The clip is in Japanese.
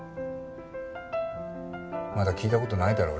まだ聞いた事ないだろ？